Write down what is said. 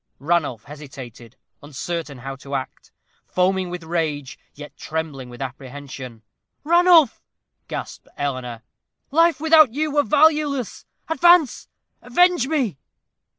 Ranulph hesitated, uncertain how to act; foaming with rage, yet trembling with apprehension. "Ranulph," gasped Eleanor, "life without you were valueless. Advance avenge me!"